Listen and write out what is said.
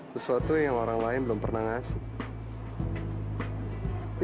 sesuatu yang orang lain belum pernah ngasih